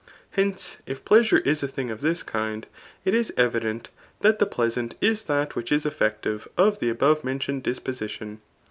Hence, if pleasure is a thing of this kind, it is evident that the pleasant is that which is effective of the above mentioned .dispontidn.